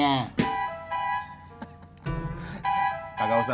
nih nih sama keluarganya